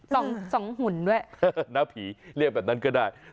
นาผี๒หุ่นด้วยนาผีเรียกแบบนั้นก็ได้